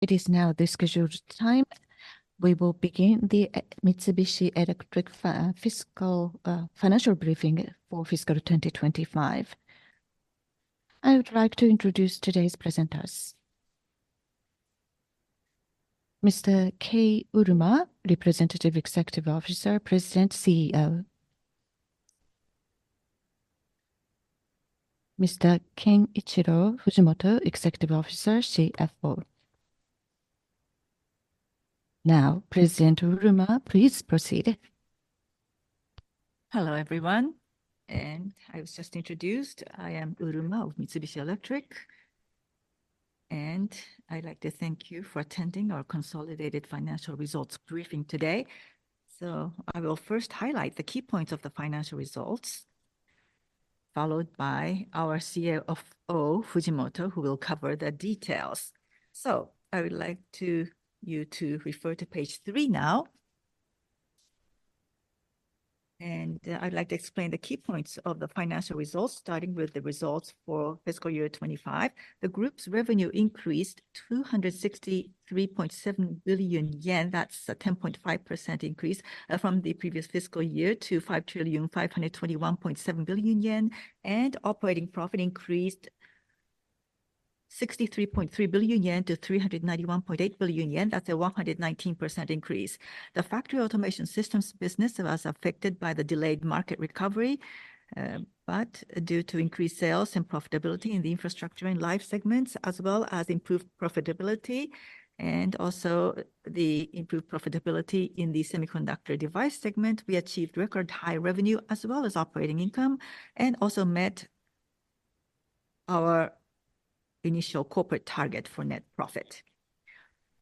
It is now this scheduled time. We will begin the Mitsubishi Electric Financial Briefing for Fiscal 2025. I would like to introduce today's presenters: Mr. Kei Uruma, Representative Executive Officer, President, CEO; Mr. Kenichiro Fujimoto, Executive Officer, CFO. Now, President Uruma, please proceed. Hello, everyone. I was just introduced. I am Uruma of Mitsubishi Electric, and I'd like to thank you for attending our Consolidated Financial Results Briefing today. I will first highlight the key points of the financial results, followed by our CFO, Fujimoto, who will cover the details. I would like you to refer to page 3 now. I'd like to explain the key points of the financial results, starting with the results for fiscal year 2025. The Group's revenue increased 263.7 billion yen—that's a 10.5% increase from the previous fiscal year—to 5,521.7 billion yen, and operating profit increased 63.3 billion yen to 391.8 billion yen—that's a 119% increase. The Factory Automation Systems business was affected by the delayed market recovery, but due to increased sales and profitability in the Infrastructure and Life segments, as well as improved profitability, and also the improved profitability in the Semiconductor & Device segment, we achieved record-high revenue, as well as operating income, and also met our initial corporate target for net profit.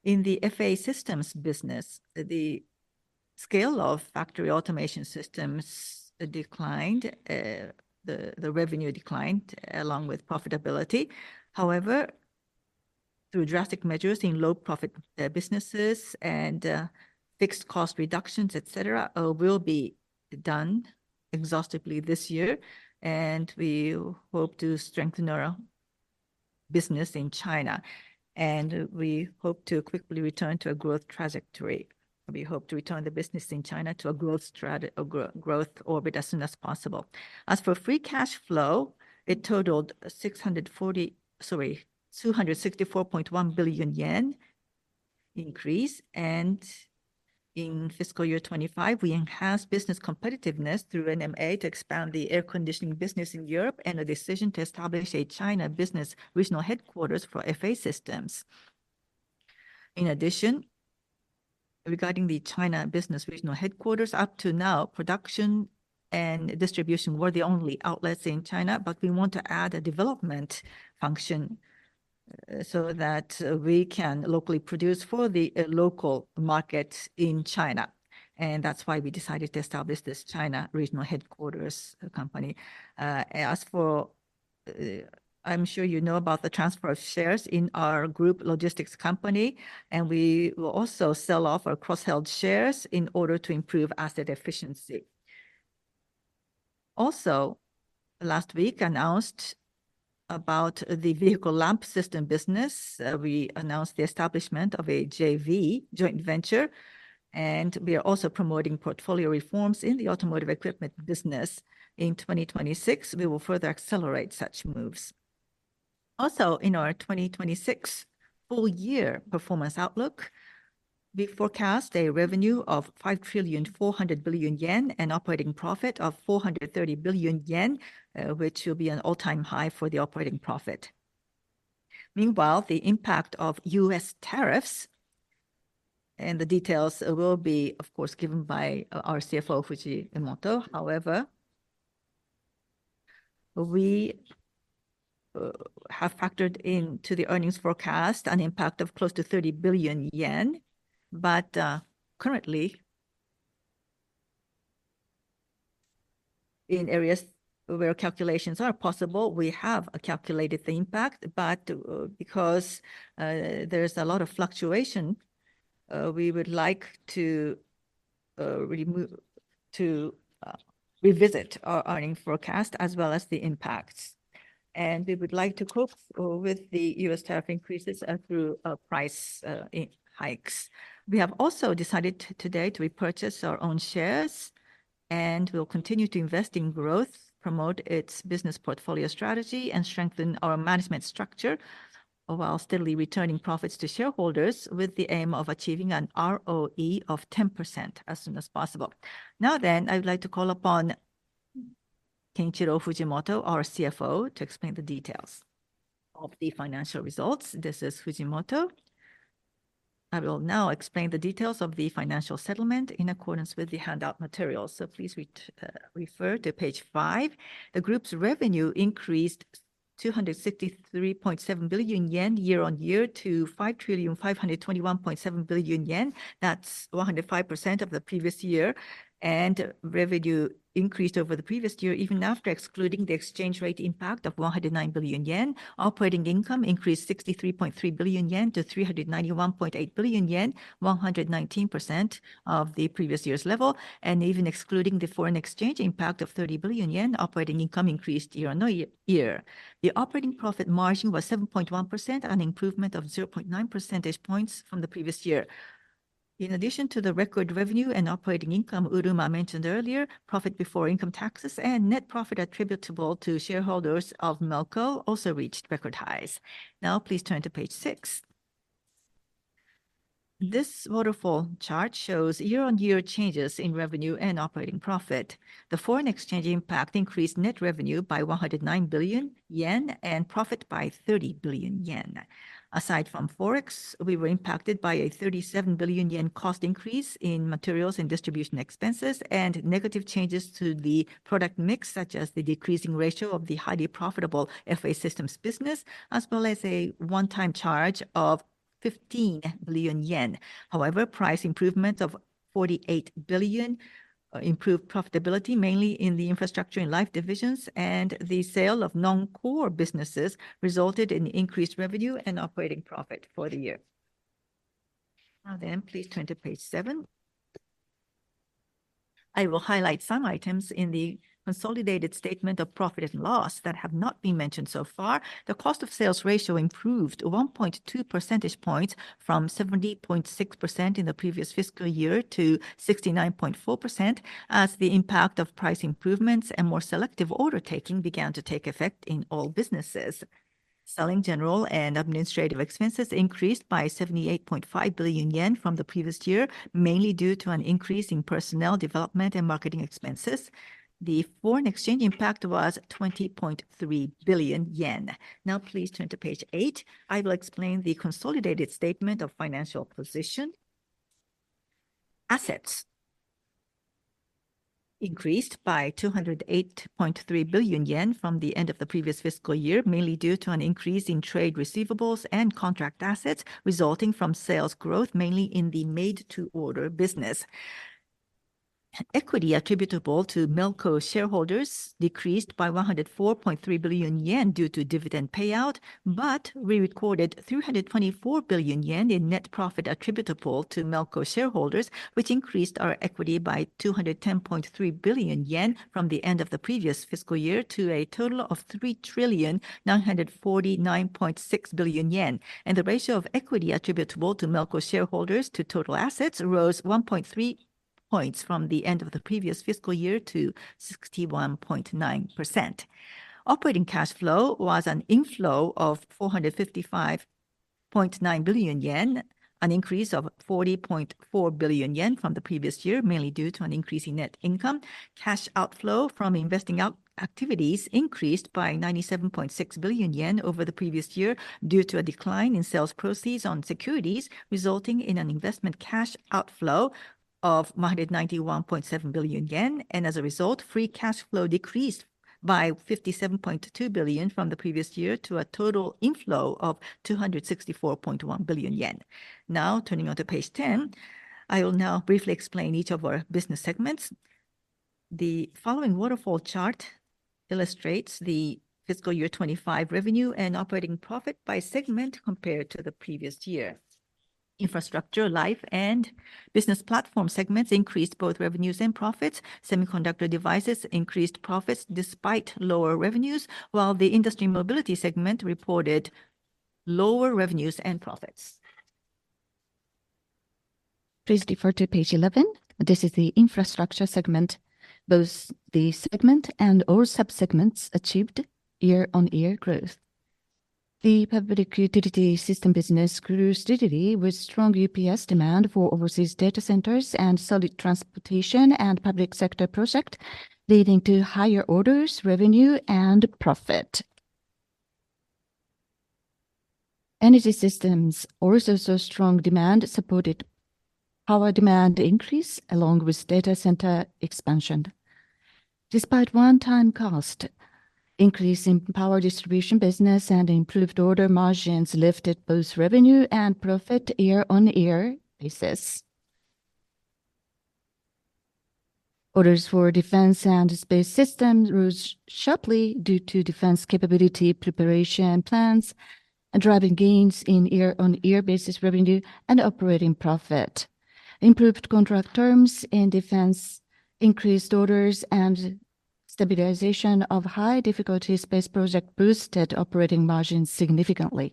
In the FA Systems business, the scale of Factory Automation Systems declined; the revenue declined, along with profitability. However, through drastic measures in low-profit businesses and fixed-cost reductions, etc., we will be done exhaustively this year, and we hope to strengthen our business in China. We hope to quickly return to a growth trajectory. We hope to return the business in China to a growth orbit as soon as possible. As for free cash flow, it totaled 640 billion—sorry, 264.1 billion yen increase. In fiscal year 2025, we enhanced business competitiveness through M&A to expand the air conditioning business in Europe and a decision to establish a China business regional headquarters for FA systems. In addition, regarding the China business regional headquarters, up to now, production and distribution were the only outlets in China, but we want to add a development function so that we can locally produce for the local market in China. That is why we decided to establish this China regional headquarters company. As for—you know about the transfer of shares in our group logistics Company, and we will also sell off our cross-held shares in order to improve asset efficiency. Also, last week, we announced about the vehicle lamp system business. We announced the establishment of a JV, joint venture, and we are also promoting portfolio reforms in the Automotive Equipment business. In 2026, we will further accelerate such moves. Also, in our 2026 full-year performance outlook, we forecast a revenue of 5,400 billion yen and operating profit of 430 billion yen, which will be an all-time high for the operating profit. Meanwhile, the impact of U.S. tariffs and the details will be, of course, given by our CFO, Fujimoto. However, we have factored into the earnings forecast an impact of close to 30 billion yen, but currently, in areas where calculations are possible, we have calculated the impact. Because there is a lot of fluctuation, we would like to revisit our earnings forecast as well as the impacts. We would like to cope with the U.S. tariff increases through price hikes. We have also decided today to repurchase our own shares, and we'll continue to invest in growth, promote its business portfolio strategy, and strengthen our management structure while steadily returning profits to shareholders with the aim of achieving an ROE of 10% as soon as possible. Now then, I would like to call upon Fujimoto Kenichiro, our CFO, to explain the details of the financial results. This is Fujimoto. I will now explain the details of the financial settlement in accordance with the handout material. Please refer to page 5. The Group's revenue increased 263.7 billion yen year-on-year to 5,521.7 billion yen. That's 105% of the previous year. Revenue increased over the previous year, even after excluding the exchange rate impact of 109 billion yen. Operating income increased 63.3 billion yen to 391.8 billion yen, 119% of the previous year's level. Even excluding the foreign exchange impact of 30 billion yen, operating income increased year-on-year. The operating profit margin was 7.1%, an improvement of 0.9 percentage points from the previous year. In addition to the record revenue and operating income Uruma mentioned earlier, profit before income taxes and net profit attributable to shareholders of Melco also reached record highs. Now, please turn to page 6. This waterfall chart shows year-on-year changes in revenue and operating profit. The foreign exchange impact increased net revenue by 109 billion yen and profit by 30 billion yen. Aside from Forex, we were impacted by a 37 billion yen cost increase in materials and distribution expenses and negative changes to the product mix, such as the decreasing ratio of the highly profitable FA systems business, as well as a one-time charge of 15 billion yen. However, price improvement of 48 billion improved profitability, mainly in the Infrastructure and Life divisions, and the sale of non-core businesses resulted in increased revenue and operating profit for the year. Now then, please turn to page 7. I will highlight some items in the Consolidated Statement of Profit and Loss that have not been mentioned so far. The cost of sales ratio improved 1.2 percentage points from 70.6% in the previous fiscal year to 69.4%, as the impact of price improvements and more selective order taking began to take effect in all businesses. Selling, general, and administrative expenses increased by 78.5 billion yen from the previous year, mainly due to an increase in personnel development and marketing expenses. The foreign exchange impact was 20.3 billion yen. Now, please turn to page 8. I will explain the Consolidated Statement of Financial Position. Assets increased by 208.3 billion yen from the end of the previous fiscal year, mainly due to an increase in trade receivables and contract assets resulting from sales growth, mainly in the made-to-order business. \ Equity attributable to Melco shareholders decreased by 104.3 billion yen due to dividend payout, but we recorded 324 billion yen in net profit attributable to Melco shareholders, which increased our equity by 210.3 billion yen from the end of the previous fiscal year to a total of 3,949.6 billion yen. The ratio of equity attributable to Melco shareholders to total assets rose 1.3 percentage points from the end of the previous fiscal year to 61.9%. Operating cash flow was an inflow of 455.9 billion yen, an increase of 40.4 billion yen from the previous year, mainly due to an increase in net income. Cash outflow from investing activities increased by 97.6 billion yen over the previous year due to a decline in sales proceeds on securities, resulting in an investment cash outflow of 191.7 billion yen. As a result, free cash flow decreased by 57.2 billion from the previous year to a total inflow of 264.1 billion yen. Now, turning on to page 10, I will now briefly explain each of our business segments. The following waterfall chart illustrates the fiscal year 2025 revenue and operating profit by segment compared to the previous year. Infrastructure, Life, and Business Platform segments increased both revenues and profits. Semiconductor devices increased profits despite lower revenues, while the Industry & Mobility Segment reported lower revenues and profits. Please refer to page 11. This is the infrastructure segment. Both the segment and all subsegments achieved year-on-year growth. The Public Utility System business grew steadily with strong UPS demand for overseas data centers and solid transportation and public sector projects, leading to higher orders, revenue, and profit. Energy Systems also saw strong demand supported power demand increase along with data center expansion. Despite one-time cost increase in Power Distribution business and improved order margins lifted both revenue and profit year-on-year basis. Orders for Defense and Space Systems rose sharply due to defense capability preparation plans and driving gains in year-on-year basis revenue and operating profit. Improved contract terms in defense, increased orders, and stabilization of high-difficulty space projects boosted operating margins significantly.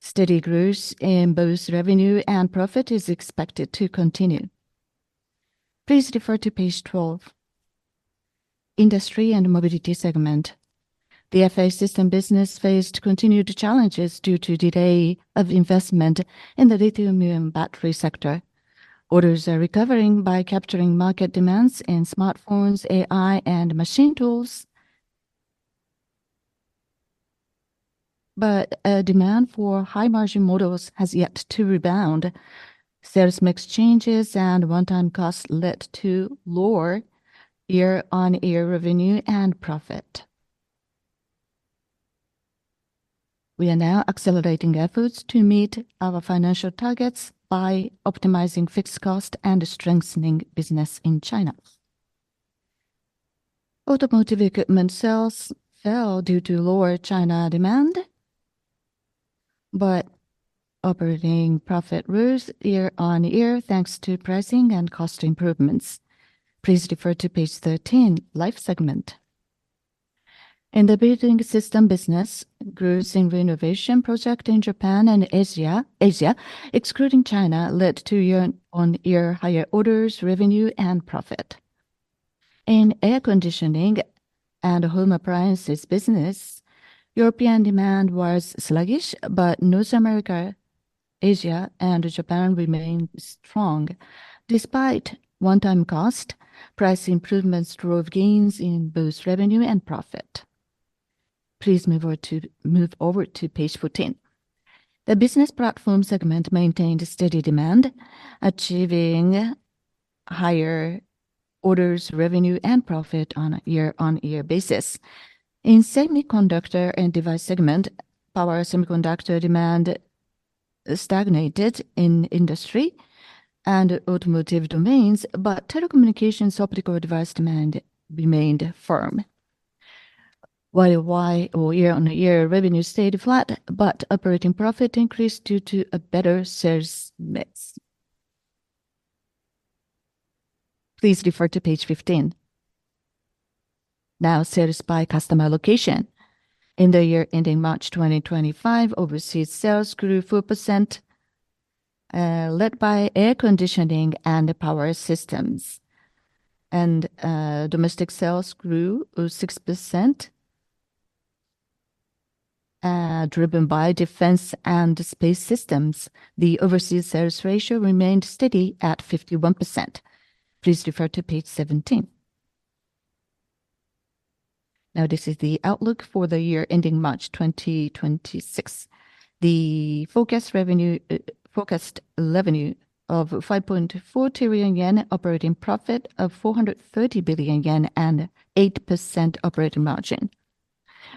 Steady growth in both revenue and profit is expected to continue. Please refer to page 12. Industry and Mobility segment. The Factory Automation System business faced continued challenges due to delay of investment in the lithium-ion battery sector. Orders are recovering by capturing market demands in smartphones, AI, and machine tools, but demand for high-margin models has yet to rebound. Sales mix changes and one-time costs led to lower year-on-year revenue and profit. We are now accelerating efforts to meet our financial targets by optimizing fixed costs and strengthening business in China. Automotive Equipment sales fell due to lower China demand, but operating profit rose year-on-year thanks to pricing and cost improvements. Please refer to page 13, Life segment. In the Building System business, growth in renovation projects in Japan and Asia, excluding China, led to year-on-year higher orders, revenue, and profit. In Air Conditioning and Home Appliances business, European demand was sluggish, but North America, Asia, and Japan remained strong. Despite one-time costs, price improvements drove gains in both revenue and profit. Please move over to page 14. The Business Platform segment maintained steady demand, achieving higher orders, revenue, and profit on a year-on-year basis. In Semiconductor and Device segment, power semiconductor demand stagnated in industry and automotive domains, but telecommunications optical device demand remained firm, while year-on-year revenue stayed flat, but operating profit increased due to a better sales mix. Please refer to page 15. Now, sales by customer location. In the year ending March 2025, overseas sales grew 4%, led by air conditioning and power systems, and domestic sales grew 6%, driven by Defense and Space Systems. The overseas sales ratio remained steady at 51%. Please refer to page 17. Now, this is the outlook for the year ending March 2026. The forecast revenue of 5.4 trillion yen, operating profit of 430 billion yen, and 8% operating margin.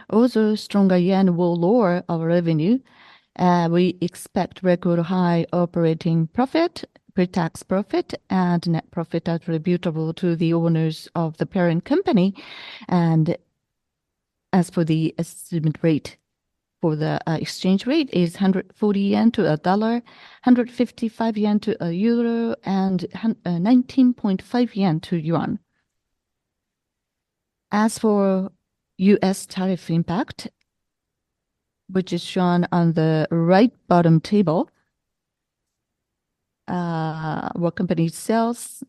Although stronger yen will lower our revenue, we expect record high operating profit, pre-tax profit, and net profit attributable to the owners of the parent company. As for the estimated rate for the exchange rate, it is 140 yen to a dollar, 155 yen to a euro, and 19.5 yen to a yuan. As for U.S. tariff impact, which is shown on the right bottom table, what company sells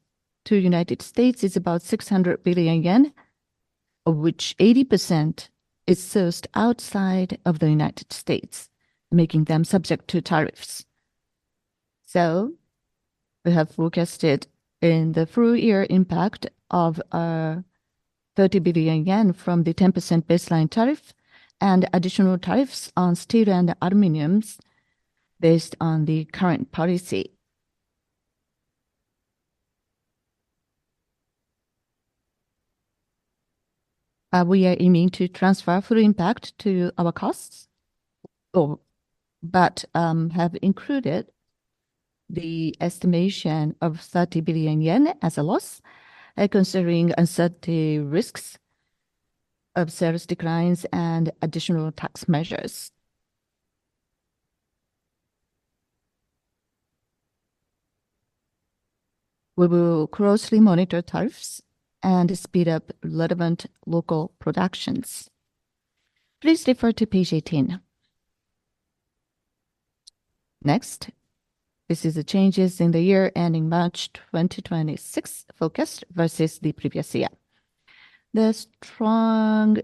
to the United States is about 600 billion yen, of which 80% is sourced outside of the United States, making them subject to tariffs. We have forecasted in the full year impact of 30 billion yen from the 10% baseline tariff and additional tariffs on steel and aluminum based on the current policy. We are aiming to transfer full impact to our costs, but have included the estimation of 30 billion yen as a loss, considering uncertainty risks of service declines and additional tax measures. We will closely monitor tariffs and speed up relevant local productions. Please refer to page 18. Next, this is the changes in the year ending March 2026 forecast versus the previous year. The strong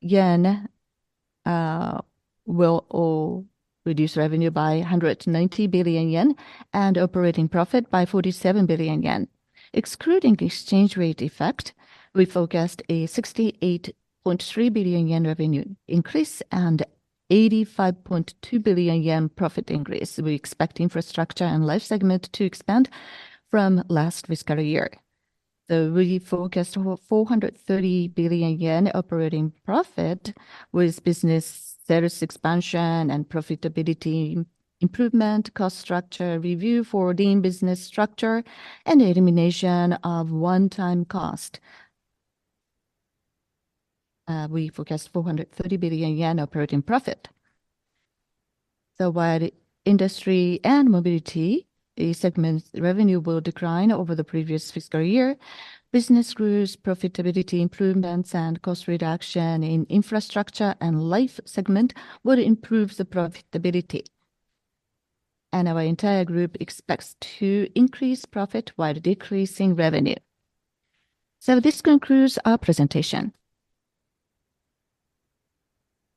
yen will reduce revenue by 190 billion yen and operating profit by 47 billion yen. Excluding exchange rate effect, we forecast a 68.3 billion yen revenue increase and 85.2 billion yen profit increase. We expect Infrastructure and Life segment to expand from last fiscal year. We forecast 430 billion yen operating profit with business service expansion and profitability improvement, cost structure review for the business structure, and elimination of one-time cost. We forecast 430 billion yen operating profit. While Industry and Mobility segments revenue will decline over the previous fiscal year, business growth, profitability improvements, and cost reduction in Infrastructure and Life segment would improve the profitability. Our entire group expects to increase profit while decreasing revenue. This concludes our presentation.